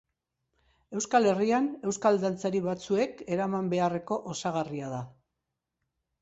Euskal Herrian, euskal dantzari batzuek eraman beharreko osagarria da.